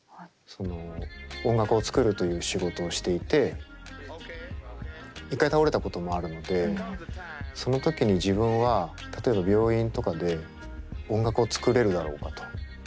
その音楽を作るという仕事をしていて一回倒れたこともあるのでその時に自分は例えば病院とかで音楽を作れるだろうかと。